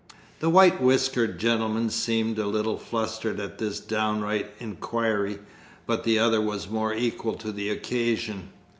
The white whiskered gentleman seemed a little flustered at this downright inquiry, but the other was more equal to the occasion.